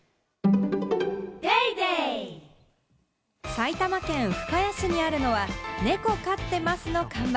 埼玉県深谷市にあるのは、ネコ飼ってますの看板。